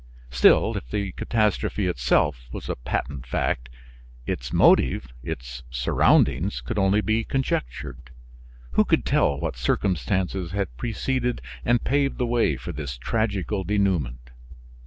Still, if the catastrophe itself was a patent fact, its motive, its surroundings, could only be conjectured. Who could tell what circumstances had preceded and paved the way for this tragical denouement?